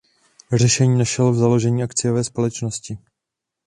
Řešení našel v založení akciové společnosti.